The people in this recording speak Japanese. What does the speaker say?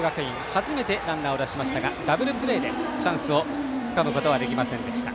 初めてランナーを出しましたがダブルプレーでチャンスをつかむことはできませんでした。